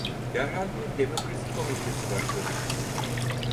Derhal bir demokrasi komedyası başladı.